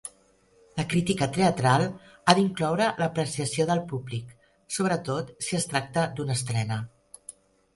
La crítica teatral ha d'incloure l'apreciació del públic, sobretot si es tracta d'una estrena.